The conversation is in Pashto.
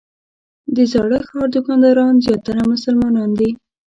د زاړه ښار دوکانداران زیاتره مسلمانان دي.